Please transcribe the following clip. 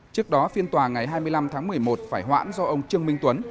trước đó phiên tòa ngày hai mươi năm tháng một mươi một phải hoãn do ông trương minh tuấn